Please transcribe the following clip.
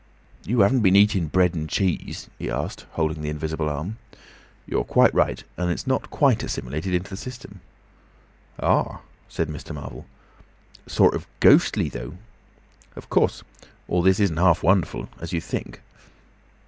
"You 'aven't been eatin' bread and cheese?" he asked, holding the invisible arm. "You're quite right, and it's not quite assimilated into the system." "Ah!" said Mr. Marvel. "Sort of ghostly, though." "Of course, all this isn't half so wonderful as you think."